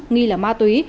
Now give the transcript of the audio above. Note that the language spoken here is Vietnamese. nghi là ma túy